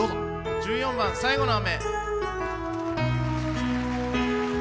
１４番「最後の雨」。